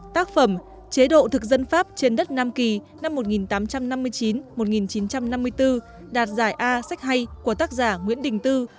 tác phẩm chế độ thực dân pháp trên đất nam kỳ năm một nghìn tám trăm năm mươi chín một nghìn chín trăm năm mươi bốn đạt giải a sách hay của tác giả nguyễn đình tư